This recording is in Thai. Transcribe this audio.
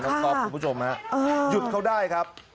ก๊อฟคุณผู้ชมฮะหยุดเขาได้ครับ